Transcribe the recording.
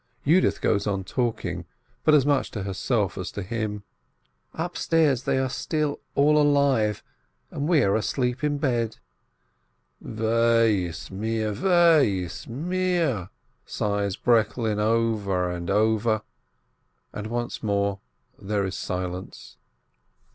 Yudith goes on talking, but as much to herself as to him : "Upstairs they are still all alive, and we are asleep in bed." "Weh is mir, weh is mir!" sighs Breklin over and over, and once more there is silence.